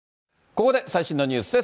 ここで最新のニュースです。